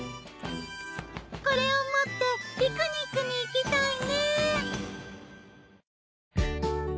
これを持ってピクニックに行きたいね。